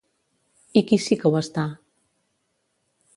I qui sí que ho està?